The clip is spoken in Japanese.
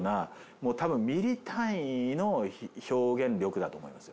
もう多分ミリ単位の表現力だと思いますよ。